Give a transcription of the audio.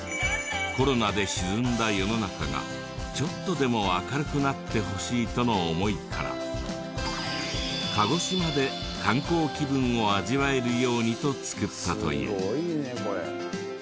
コロナで沈んだ世の中がちょっとでも明るくなってほしいとの思いから鹿児島で観光気分を味わえるようにと作ったという。